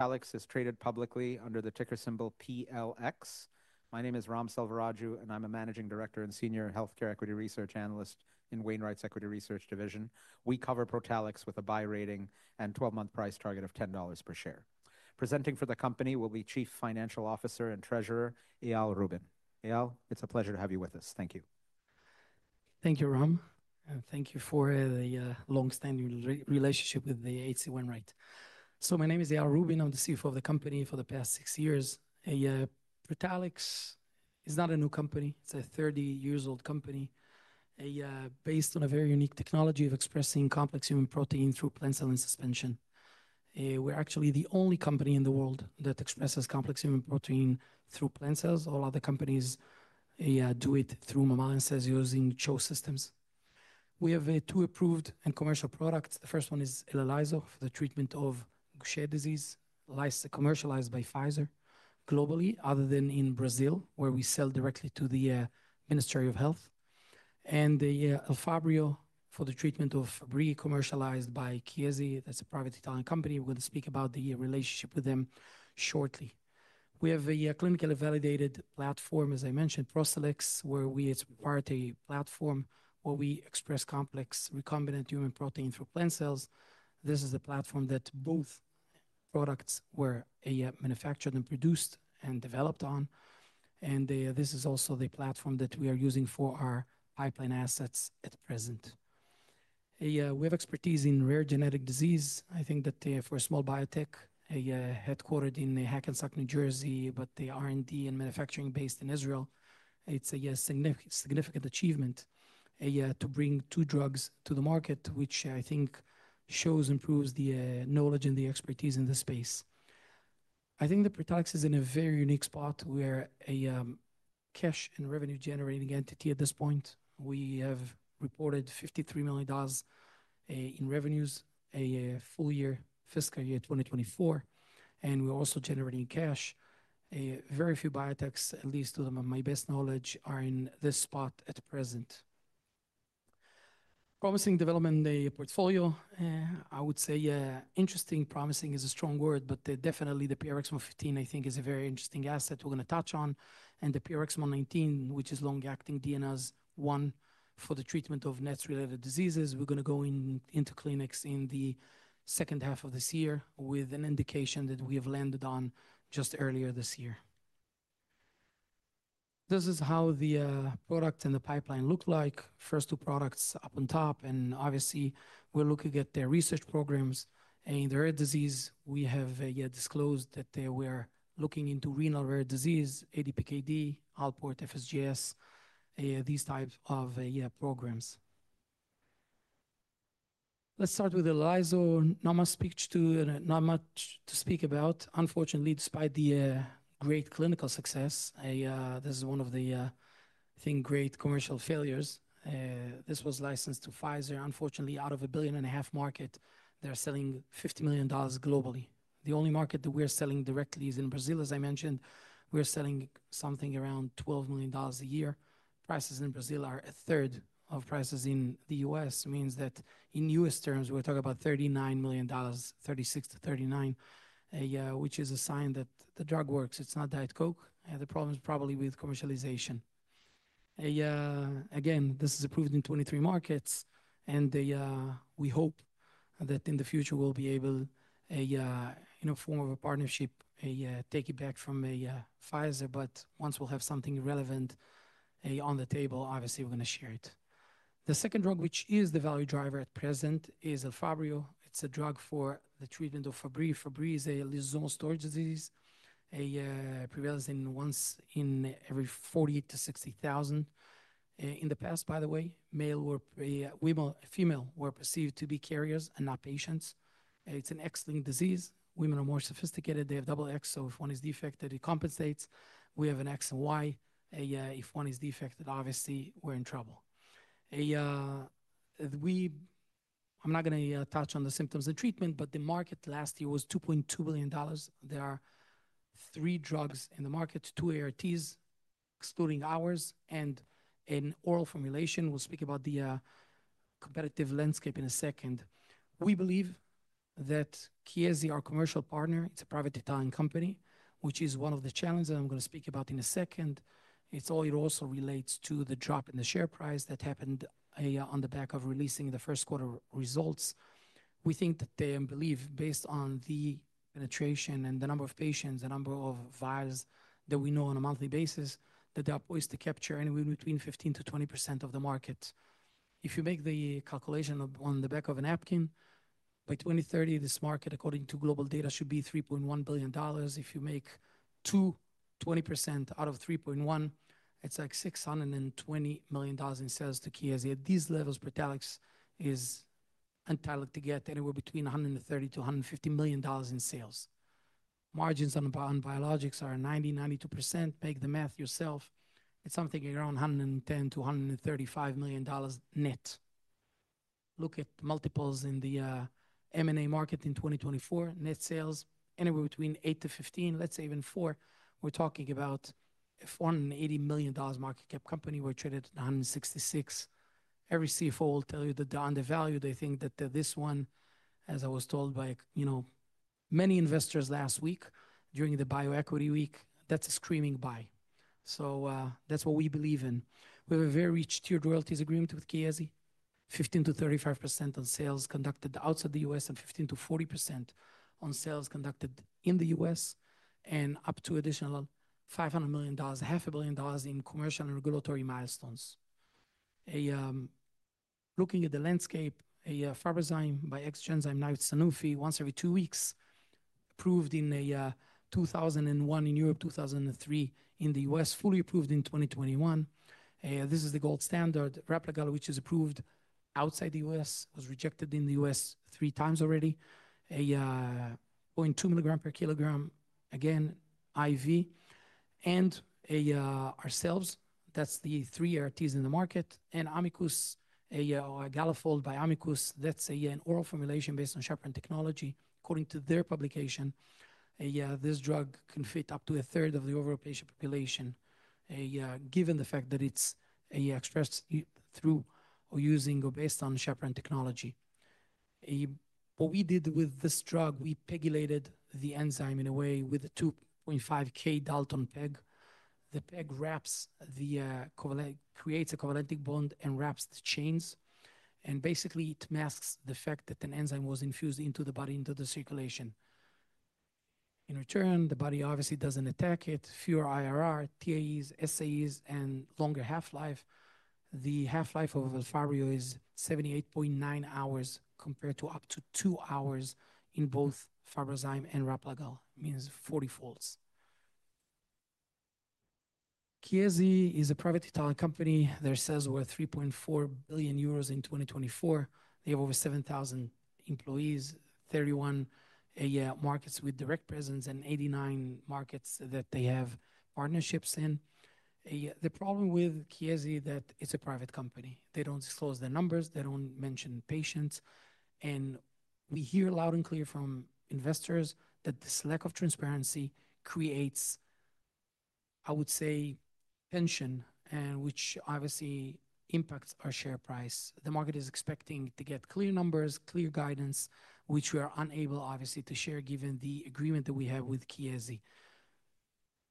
Protalix is traded publicly under the ticker symbol PLX. My name is Ram Selvaraju, and I'm a Managing Director and Senior Healthcare Equity Research Analyst in H.C. Wainwright's equity research division. We cover Protalix with a buy rating and a 12-month price target of $10 per share. Presenting for the company will be Chief Financial Officer and Treasurer Eyal Rubin. Eyal, it's a pleasure to have you with us. Thank you. Thank you, Ram. And thank you for the long-standing relationship with the H.C. Wainwright. My name is Eyal Rubin. I'm the CFO of the company for the past six years. Protalix is not a new company. It's a 30-year-old company based on a very unique technology of expressing complex human protein through plant cell insufficiency. We're actually the only company in the world that expresses complex human protein through plant cells. All other companies do it through mammalian cells using CHO systems. We have two approved and commercial products. The first one is Elelyso for the treatment of Gaucher disease, licensed and commercialized by Pfizer globally, other than in Brazil, where we sell directly to the Ministry of Health. And the Elfabrio for the treatment of Fabry, commercialized by Chiesi. That's a private Italian company. We're going to speak about the relationship with them shortly. We have a clinically validated platform, as I mentioned, Protalix, where we part a platform where we express complex recombinant human protein through plant cells. This is the platform that both products were manufactured and produced and developed on. This is also the platform that we are using for our pipeline assets at present. We have expertise in rare genetic disease. I think that for a small biotech, headquartered in Hackensack, New Jersey, but the R&D and manufacturing based in Israel, it's a significant achievement to bring two drugs to the market, which I think shows, improves the knowledge and the expertise in this space. I think that Protalix is in a very unique spot. We're a cash and revenue-generating entity at this point. We have reported $53 million in revenues a full year, fiscal year 2024. We're also generating cash. Very few biotechs, at least to my best knowledge, are in this spot at present. Promising development in the portfolio. I would say interesting, promising is a strong word, but definitely the PRX-115, I think, is a very interesting asset we're going to touch on. The PRX-119, which is long-acting DNase, one for the treatment of NETs-related diseases, we're going to go into clinics in the second half of this year with an indication that we have landed on just earlier this year. This is how the product and the pipeline look like. First two products up on top. Obviously, we're looking at their research programs. In the rare disease, we have disclosed that we're looking into renal rare disease, ADPKD, Alport, FSGS, these types of programs. Let's start with Elelyso. Not much to speak about. Unfortunately, despite the great clinical success, this is one of the, I think, great commercial failures. This was licensed to Pfizer. Unfortunately, out of a $1.5 billion market, they're selling $50 million globally. The only market that we're selling directly is in Brazil. As I mentioned, we're selling something around $12 million a year. Prices in Brazil are 1/3 of prices in the U.S. Means that in U.S. terms, we're talking about $39 million, $36 million-$39 million, which is a sign that the drug works. It's not Diet Coke. The problem is probably with commercialization. Again, this is approved in 23 markets. We hope that in the future, we'll be able, in a form of a partnership, to take it back from Pfizer. Once we'll have something relevant on the table, obviously, we're going to share it. The second drug, which is the value driver at present, is Elfabrio. It's a drug for the treatment of Fabry. Fabry is a lysosomal storage disease. It prevails in one in every 40,000-60,000. In the past, by the way, male or female were perceived to be carriers and not patients. It's an excellent disease. Women are more sophisticated. They have double X. So if one is defected, it compensates. We have an X and Y. If one is defected, obviously, we're in trouble. I'm not going to touch on the symptoms and treatment, but the market last year was $2.2 billion. There are three drugs in the market, two ERTs, excluding ours, and an oral formulation. We'll speak about the competitive landscape in a second. We believe that Chiesi, our commercial partner, it's a private Italian company, which is one of the challenges that I'm going to speak about in a second. It also relates to the drop in the share price that happened on the back of releasing the first quarter results. We think that they believe, based on the penetration and the number of patients, the number of vials that we know on a monthly basis, that they are poised to capture anywhere between 15%-20% of the market. If you make the calculation on the back of a napkin, by 2030, this market, according to global data, should be $3.1 billion. If you make 20% out of $3.1 billion, it's like $620 million in sales to Chiesi. At these levels, Protalix is entitled to get anywhere between $130 million-$150 million in sales. Margins on biologics are 90%-92%. Make the math yourself. It's something around $110 million-$135 million net. Look at multiples in the M&A market in 2024, net sales anywhere between eight to 15, let's say even four. We're talking about a $180 million market cap company. We're traded at $166 million. Every CFO will tell you that on the value, they think that this one, as I was told by many investors last week during the bioequity week, that's a screaming buy. That's what we believe in. We have a very tiered royalties agreement with Chiesi. 15%-35% on sales conducted outside the U.S. and 15%-40% on sales conducted in the U.S. and up to additional $500 million, half a billion in commercial and regulatory milestones. Looking at the landscape, Fabrazyme by ex-Genzyme, now Sanofi, once every two weeks, approved in 2001 in Europe, 2003 in the U.S., fully approved in 2021. This is the gold standard. Replagal, which is approved outside the U.S., was rejected in the U.S. 3x already. 0.2 mg/kg, again, IV. And ourselves, that's the three ERTs in the market. And Amicus, Galafold by Amicus, that's an oral formulation based on chaperone technology. According to their publication, this drug can fit up to 1/3 of the overall patient population, given the fact that it's expressed through or using or based on chaperone technology. What we did with this drug, we PEGylated the enzyme in a way with a 2.5 kDa PEG. The PEG creates a covalent bond and wraps the chains. It basically masks the fact that an enzyme was infused into the body, into the circulation. In return, the body obviously does not attack it. Fewer IRR, TAEs, SAEs, and longer half-life. The half-life of Elfabrio is 78.9 hours compared to up to two hours in both Fabrazyme and Replagal. It means 40-fold. Chiesi is a private Italian company. Their sales were 3.4 billion euros in 2024. They have over 7,000 employees, 31 markets with direct presence, and 89 markets that they have partnerships in. The problem with Chiesi is that it is a private company. They do not disclose the numbers. They do not mention patients. We hear loud and clear from investors that this lack of transparency creates, I would say, tension, which obviously impacts our share price. The market is expecting to get clear numbers, clear guidance, which we are unable, obviously, to share given the agreement that we have with Chiesi.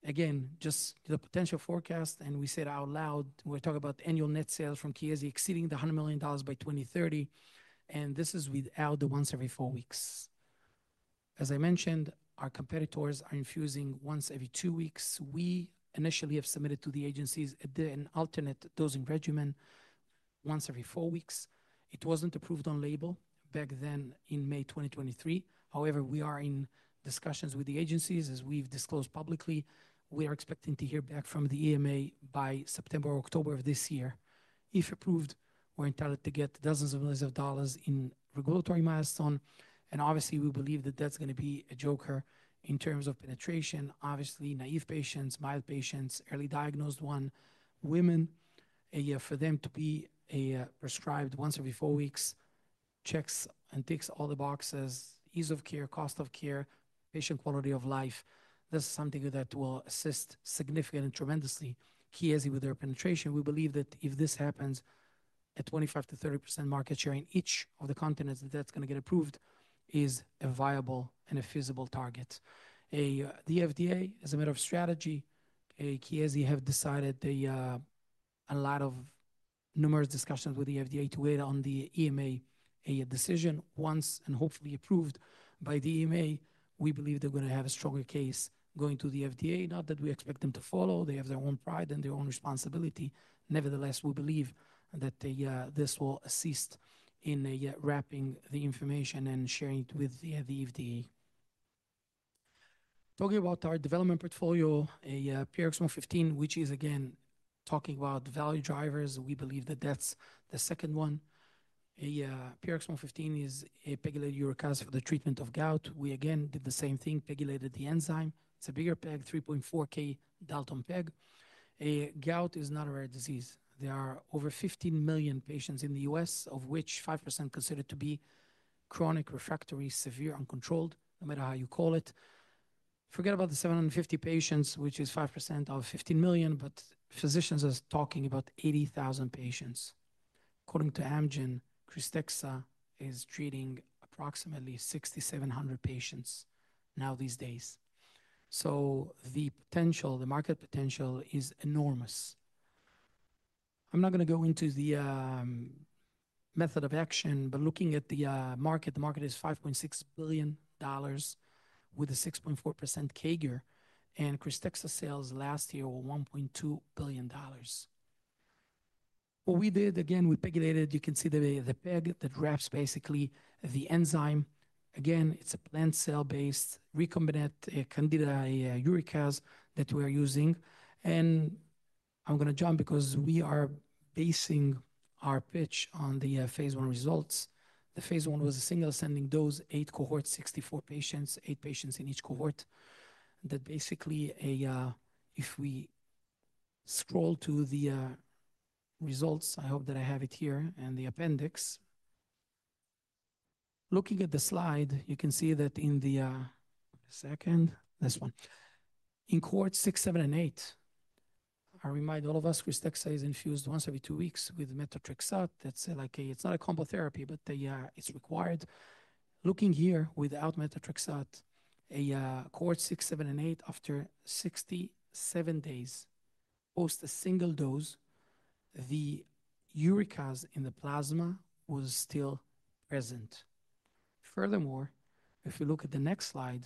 Again, just the potential forecast, and we said out loud, we're talking about annual net sales from Chiesi exceeding $100 million by 2030. This is without the once every four weeks. As I mentioned, our competitors are infusing once every two weeks. We initially have submitted to the agencies an alternate dosing regimen once every four weeks. It was not approved on label back then in May 2023. However, we are in discussions with the agencies. As we've disclosed publicly, we are expecting to hear back from the EMA by September or October of this year. If approved, we're entitled to get dozens of millions of dollars in regulatory milestone. Obviously, we believe that that's going to be a joker in terms of penetration. Obviously, naive patients, mild patients, early diagnosed ones, women, for them to be prescribed once every four weeks, checks and ticks all the boxes, ease of care, cost of care, patient quality of life, this is something that will assist significantly and tremendously Chiesi with their penetration. We believe that if this happens, a 25%-30% market share in each of the continents that that's going to get approved is a viable and a feasible target. The FDA, as a matter of strategy, Chiesi have decided a lot of numerous discussions with the FDA to wait on the EMA decision. Once and hopefully approved by the EMA, we believe they're going to have a stronger case going to the FDA. Not that we expect them to follow. They have their own pride and their own responsibility. Nevertheless, we believe that this will assist in wrapping the information and sharing it with the FDA. Talking about our development portfolio, PRX-115, which is, again, talking about value drivers, we believe that that's the second one. PRX-115 is a PEGylated uricase for the treatment of gout. We, again, did the same thing, PEGylated the enzyme. It's a bigger PEG, 3.4 kDa PEG. Gout is not a rare disease. There are over 15 million patients in the U.S., of which 5% considered to be chronic, refractory, severe, uncontrolled, no matter how you call it. Forget about the 750,000 patients, which is 5% of 15 million, but physicians are talking about 80,000 patients. According to Amgen, Krystexxa is treating approximately 6,700 patients now these days. The potential, the market potential is enormous. I'm not going to go into the method of action, but looking at the market, the market is $5.6 billion with a 6.4% CAGR. Krystexxa sales last year were $1.2 billion. What we did, again, we PEGylated. You can see the PEG that wraps basically the enzyme. Again, it's a plant cell-based recombinant Candida uricase that we're using. I'm going to jump because we are basing our pitch on the phase I results. The phase I was a single ascending dose, eight cohorts, 64 patients, eight patients in each cohort. That basically, if we scroll to the results, I hope that I have it here in the appendix. Looking at the slide, you can see that in the second, this one, in cohorts six, seven, and eight, I remind all of us, Krystexxa is infused once every two weeks with methotrexate. That's like, it's not a combo therapy, but it's required. Looking here without methotrexate, cohorts six, seven, and eight, after 67 days, post a single dose, the uric acid in the plasma was still present. Furthermore, if you look at the next slide,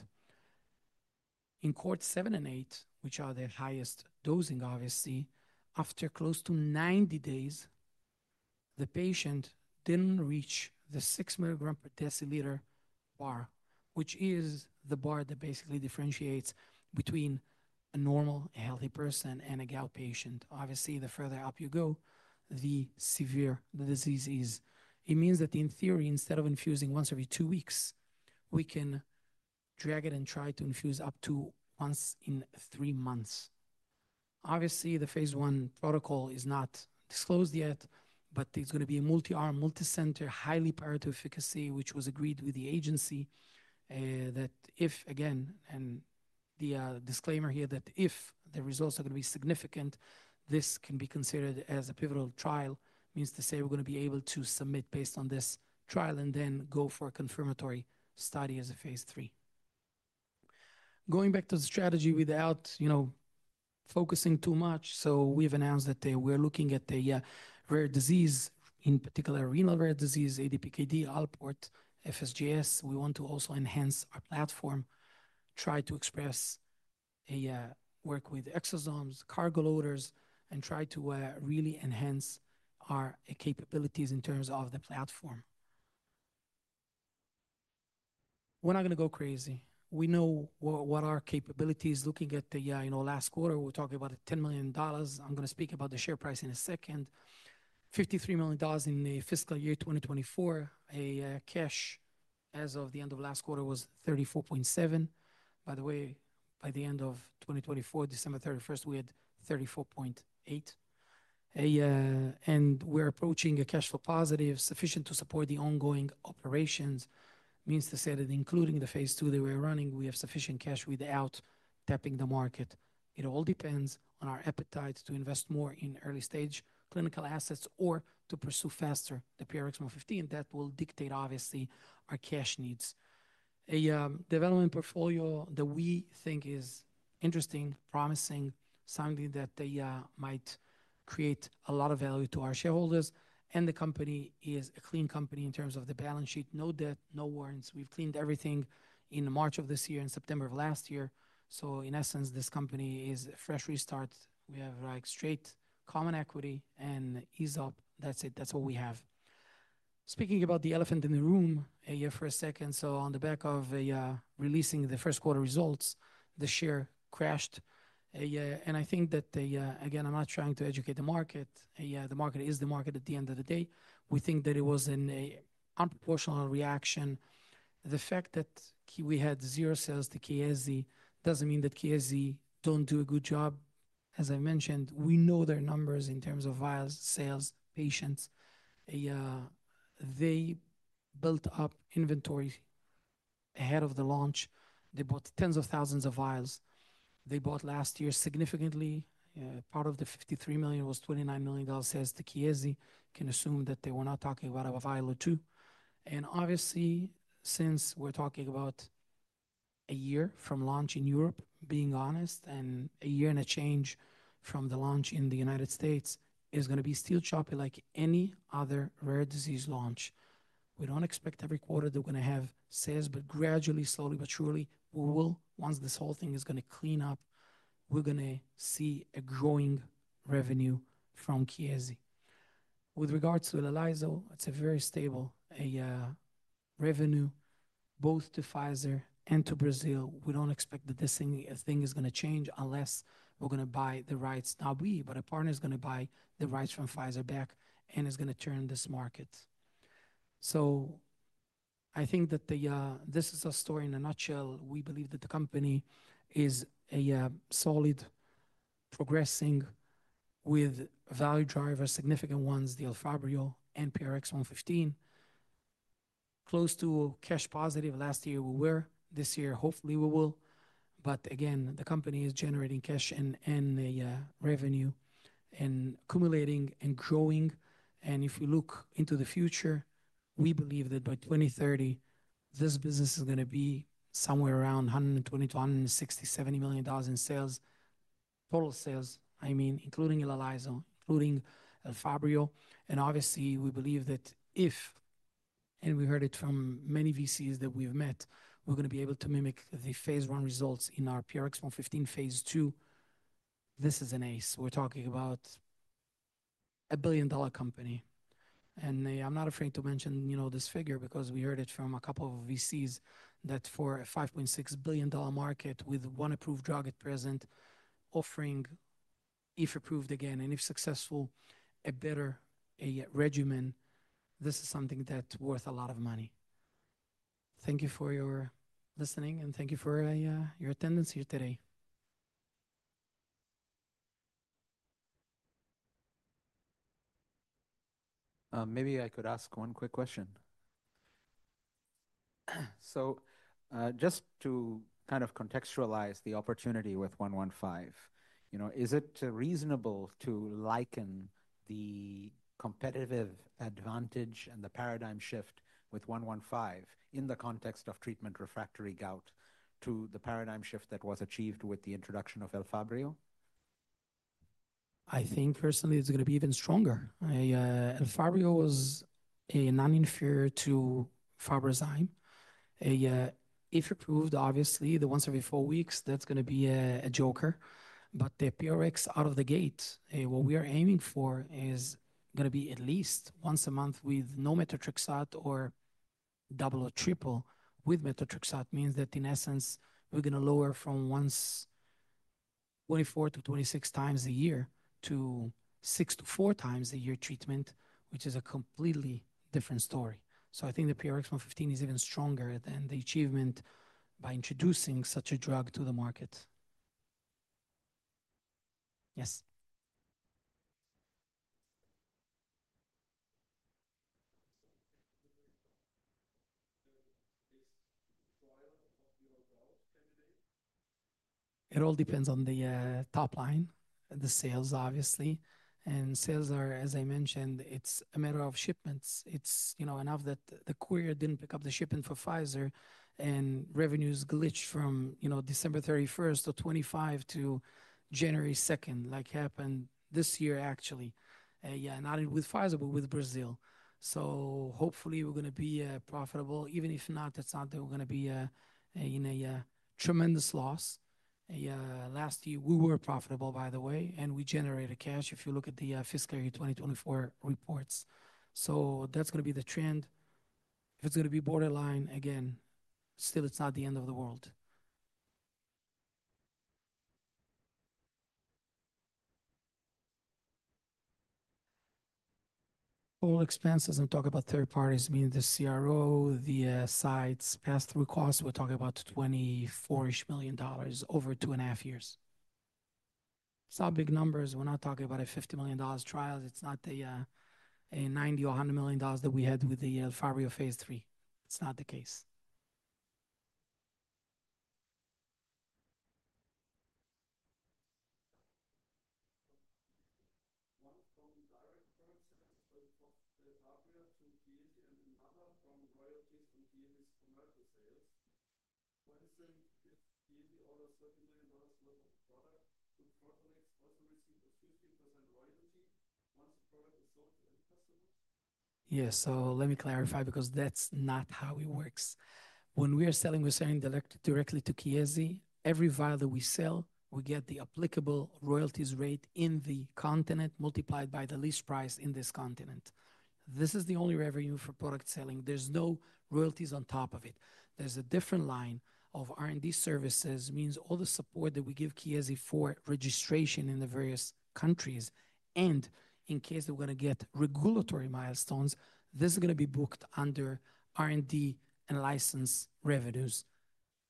in cohorts seven and eight, which are the highest dosing, obviously, after close to 90 days, the patient did not reach the 6 mg per deciliter bar, which is the bar that basically differentiates between a normal, healthy person and a gout patient. Obviously, the further up you go, the severe the disease is. It means that in theory, instead of infusing once every two weeks, we can drag it and try to infuse up to once in three months. Obviously, the phase I protocol is not disclosed yet, but it's going to be a multi-arm, multi-center, highly prior to efficacy, which was agreed with the agency that if, again, and the disclaimer here that if the results are going to be significant, this can be considered as a pivotal trial. Means to say we're going to be able to submit based on this trial and then go for a confirmatory study as a phase III. Going back to the strategy without focusing too much, we've announced that we're looking at the rare disease, in particular, renal rare disease, ADPKD, Alport, FSGS. We want to also enhance our platform, try to express a work with exosomes, cargo loaders, and try to really enhance our capabilities in terms of the platform. We're not going to go crazy. We know what our capability is. Looking at the last quarter, we're talking about $10 million. I'm going to speak about the share price in a second. $53 million in the fiscal year 2024. Cash as of the end of last quarter was $34.7 million. By the way, by the end of 2024, December 31st, we had $34.8 million. We're approaching a cash flow positive sufficient to support the ongoing operations. Means to say that including the phase II that we're running, we have sufficient cash without tapping the market. It all depends on our appetite to invest more in early stage clinical assets or to pursue faster. The PRX-115, that will dictate, obviously, our cash needs. A development portfolio that we think is interesting, promising, something that might create a lot of value to our shareholders. The company is a clean company in terms of the balance sheet. No debt, no warrants. We've cleaned everything in March of this year and September of last year. In essence, this company is a fresh restart. We have straight common equity and ease up. That's it. That's all we have. Speaking about the elephant in the room for a second, on the back of releasing the first quarter results, the share crashed. I think that, again, I'm not trying to educate the market. The market is the market at the end of the day. We think that it was an unproportional reaction. The fact that we had zero sales to Chiesi doesn't mean that Chiesi don't do a good job. As I mentioned, we know their numbers in terms of vial sales, patients. They built up inventory ahead of the launch. They bought tens of thousands of vials. They bought last year significantly. Part of the $53 million was $29 million sales to Chiesi. Can assume that they were not talking about a vial or two. Obviously, since we're talking about a year from launch in Europe, being honest, and a year and a change from the launch in the United States, it's going to be still choppy like any other rare disease launch. We don't expect every quarter they're going to have sales, but gradually, slowly, but surely, we will. Once this whole thing is going to clean up, we're going to see a growing revenue from Chiesi. With regards to Elelyso, it's a very stable revenue, both to Pfizer and to Brazil. We don't expect that this thing is going to change unless we're going to buy the rights. Not we, but a partner is going to buy the rights from Pfizer back and is going to turn this market. I think that this is a story in a nutshell. We believe that the company is solid, progressing with value drivers, significant ones, the Elfabrio and PRX-115. Close to cash positive last year we were. This year, hopefully, we will. Again, the company is generating cash and revenue and accumulating and growing. If we look into the future, we believe that by 2030, this business is going to be somewhere around $120 million-$160 million, $170 million in sales. Total sales, I mean, including Elelyso, including Elfabrio. Obviously, we believe that if, and we heard it from many VCs that we've met, we're going to be able to mimic the phase I results in our PRX-115 phase II. This is an ace. We're talking about a billion-dollar company. I'm not afraid to mention this figure because we heard it from a couple of VCs that for a $5.6 billion market with one approved drug at present, offering, if approved again and if successful, a better regimen, this is something that's worth a lot of money. Thank you for your listening and thank you for your attendance here today. Maybe I could ask one quick question. Just to kind of contextualize the opportunity with PRX-115, is it reasonable to liken the competitive advantage and the paradigm shift with PRX-115 in the context of treatment refractory gout to the paradigm shift that was achieved with the introduction of Elfabrio? I think personally it's going to be even stronger. Elfabrio was non-inferior to Fabrazyme. If approved, obviously, the once every four weeks, that's going to be a joker. The PRX out of the gate, what we are aiming for is going to be at least once a month with no methotrexate or double or triple with methotrexate. That means that in essence, we are going to lower from once 24x-26x a year to 6x to 4x a year treatment, which is a completely different story. I think the PRX-115 is even stronger than the achievement by introducing such a drug to the market. Yes. It all depends on the top line and the sales, obviously. Sales are, as I mentioned, a matter of shipments. It is enough that the courier did not pick up the shipment for Pfizer and revenues glitch from December 31st, 2025 to January 2nd, like happened this year, actually. Not with Pfizer, but with Brazil. Hopefully we are going to be profitable. Even if not, it's not that we're going to be in a tremendous loss. Last year, we were profitable, by the way, and we generated cash if you look at the fiscal year 2024 reports. That's going to be the trend. If it's going to be borderline, again, still, it's not the end of the world. All expenses and talk about third parties, meaning the CRO, the sites, pass-through costs, we're talking about $24 million over two and a half years. It's not big numbers. We're not talking about a $50 million trial. It's not a $90 million or $100 million that we had with the Elfabrio phase III. It's not the case. One from direct purchase of Elfabrio to Chiesi and another from royalties from Chiesi's commercial sales. When Chiesi orders $30 million worth of product, would Protalix also receive a 15% royalty once the product is sold to end customers? Yes, so let me clarify because that's not how it works. When we are selling, we're selling directly to Chiesi. Every vial that we sell, we get the applicable royalties rate in the continent multiplied by the list price in this continent. This is the only revenue for product selling. There's no royalties on top of it. There's a different line of R&D services. Means all the support that we give Chiesi for registration in the various countries. And in case we're going to get regulatory milestones, this is going to be booked under R&D and license revenues.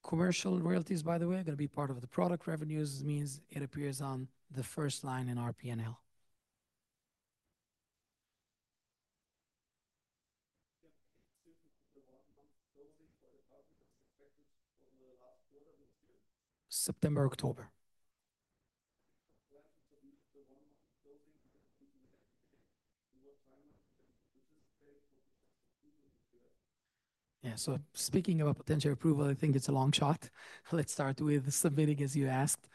Commercial royalties, by the way, are going to be part of the product revenues. Means it appears on the first line in our P&L. September, October. Yeah, so speaking of a potential approval, I think it's a long shot. Let's start with submitting, as you asked.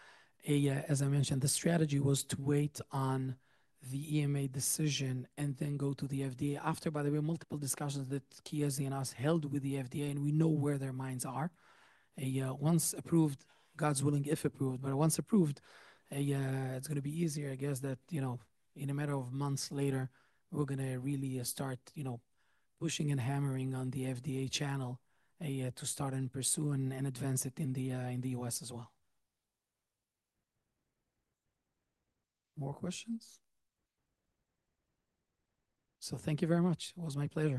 As I mentioned, the strategy was to wait on the EMA decision and then go to the FDA. After, by the way, multiple discussions that Chiesi and us held with the FDA, and we know where their minds are. Once approved, God's willing if approved, but once approved, it's going to be easier, I guess, that in a matter of months later, we're going to really start pushing and hammering on the FDA channel to start and pursue and advance it in the U.S. as well. More questions? Thank you very much. It was my pleasure.